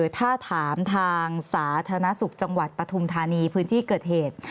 ถ้าถามทางสาธารณสุขจังหวัดปฐุมธานีพื้นที่เกิดเหตุ